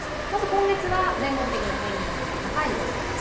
今月は全国的に平年並みか高い予想。